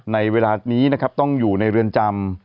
ในเวลานี้นะครับต้องอยู่ในเรือนจำ